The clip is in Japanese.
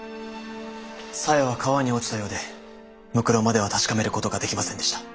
紗江は川に落ちたようでむくろまでは確かめることができませんでした。